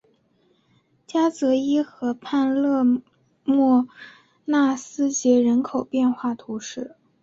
加泽伊河畔勒莫纳斯捷人口变化图示